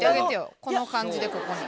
この感じでここに。